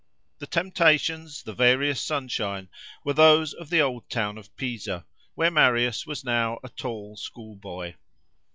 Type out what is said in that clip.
The temptations, the various sunshine, were those of the old town of Pisa, where Marius was now a tall schoolboy.